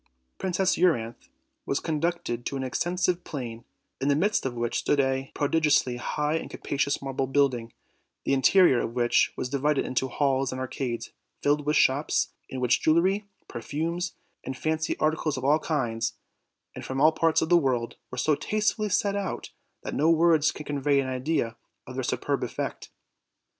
Princess Euryanthe was conducted to an extensive plain, in the midst of which stood a prodigiously high and capacious marble building, the interior of which was divided into halls and arcades filled with shops, in which jewelry, perfumes, and fancy articles of all kinds, and from all parts of the world, were so tastefully set out that no words can convey an idea of their superb effect.